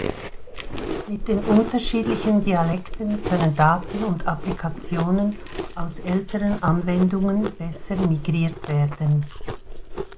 Mit den unterschiedlichen Dialekten können Daten und Applikationen aus älteren Anwendungen besser migriert werden.